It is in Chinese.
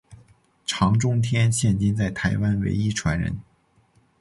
常中天现今在台湾唯一传人。